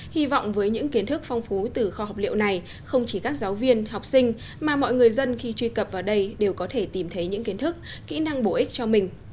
hy vọng với những kiến thức phong phú từ kho học liệu này không chỉ các giáo viên học sinh mà mọi người dân khi truy cập vào đây đều có thể tìm thấy những kiến thức kỹ năng bổ ích cho mình